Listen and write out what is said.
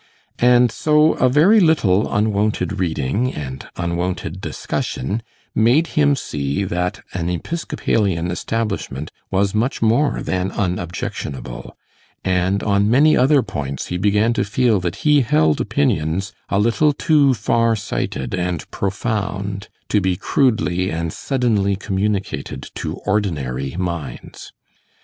And so a very little unwonted reading and unwonted discussion made him see that an Episcopalian Establishment was much more than unobjectionable, and on many other points he began to feel that he held opinions a little too far sighted and profound to be crudely and suddenly communicated to ordinary minds.